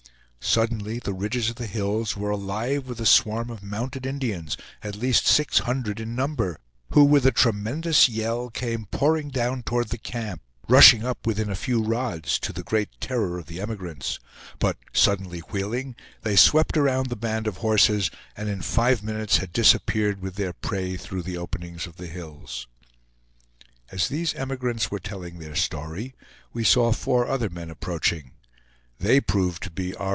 Suddenly the ridges of the hills were alive with a swarm of mounted Indians, at least six hundred in number, who, with a tremendous yell, came pouring down toward the camp, rushing up within a few rods, to the great terror of the emigrants; but suddenly wheeling, they swept around the band of horses, and in five minutes had disappeared with their prey through the openings of the hills. As these emigrants were telling their story, we saw four other men approaching. They proved to be R.